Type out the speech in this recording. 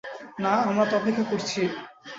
না, আমরা তো অপেক্ষা করছিই।